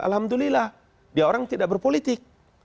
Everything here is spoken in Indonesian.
alhamdulillah dia orang tidak berpolitik